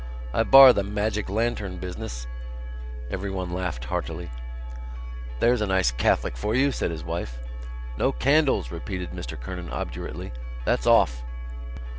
"I bar the magic lantern business." Everyone laughed heartily. "There's a nice Catholic for you!" said his wife. "No candles!" repeated Mr Kernan obdurately. "That's off!"